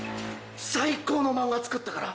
最高の漫画作ったから。